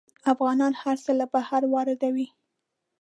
افغانان هر څه له بهر واردوي.